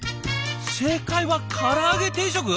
正解はから揚げ定食？